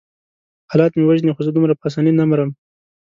حالات مې وژني خو زه دومره په آسانۍ نه مرم.